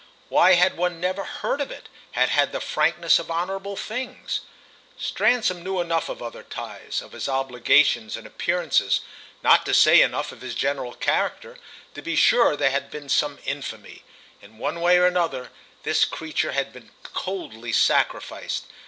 Why had one never heard of it if it had had the frankness of honourable things? Stransom knew enough of his other ties, of his obligations and appearances, not to say enough of his general character, to be sure there had been some infamy. In one way or another this creature had been coldly sacrificed.